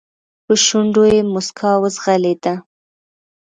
په شونډو يې موسکا وځغلېده.